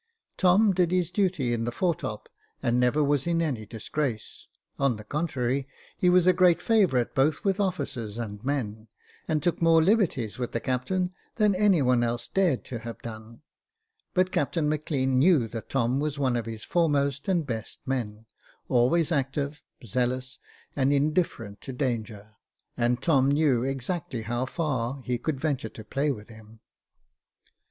Tom did his duty in the foretop, and never was in any disgrace ; on the contrary, he was a great favourite both with officers 368 Jacob Faithful and men, and took more liberties with the captain than any one else dared to have done •, but Captain Maclean knew that Tom was one of his foremost and best men, always active, zealous, and indifferent as to danger, and Tom knew exactly how far he could venture to play with him.